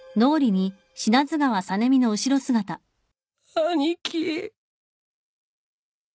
兄貴。